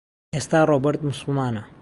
ئێستا ڕۆبەرت موسڵمانە.